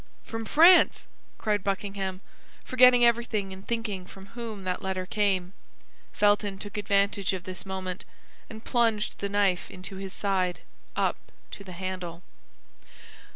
"From France!" cried Buckingham, forgetting everything in thinking from whom that letter came. Felton took advantage of this moment, and plunged the knife into his side up to the handle.